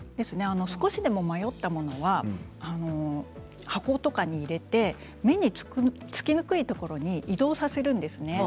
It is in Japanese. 少しでも迷った物は箱とかに入れて目につきにくいところに移動させるんですね。